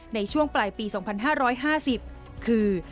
ในช่วงปลายปี๒๕๕๐คือ